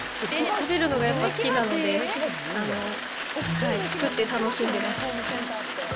食べるのがやっぱ好きなので、作って楽しんでます。